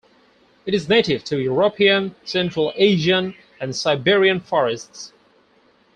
It is native to European, Central Asian, and Siberian forests.